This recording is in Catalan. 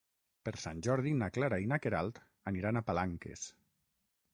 Per Sant Jordi na Clara i na Queralt aniran a Palanques.